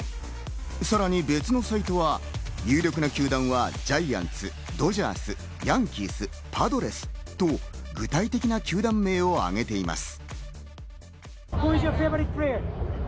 さらに別のサイトは有力な球団はジャイアンツ、ドジャース、ヤンキース、パドレスと具体的な球団名をあげています。